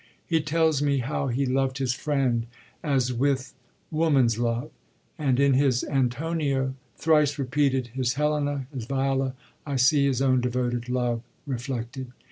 ^ He tells me how he lovd his friend, as with woman's love; and in his Antonio— thrice repeated— his Helena, his Viola, I see his own devoted love reflected.